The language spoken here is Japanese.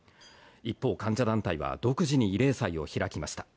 一方、患者団体は、独自に慰霊祭を開きました。